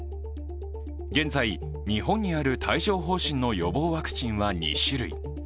現在、日本にある帯状疱疹の予防ワクチンは２種類。